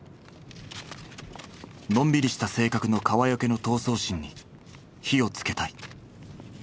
のんびりした性格の川除の闘争心に火をつけたい。